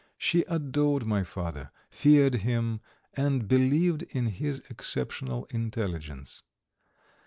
She adored my father, feared him, and believed in his exceptional intelligence.